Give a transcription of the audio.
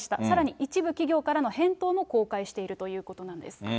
さらに一部企業からの返答も公開しているということなんです。